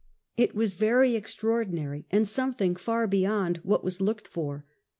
It was very extraordinary, and something far beyond what was looked for.